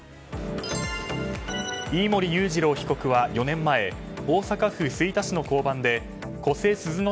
飯森裕次郎被告は４年前、大阪府吹田市の交番で古瀬鈴之